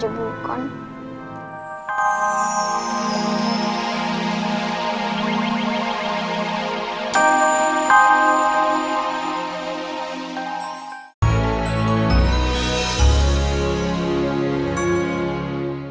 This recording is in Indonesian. jangan lupa like subscribe dan share ya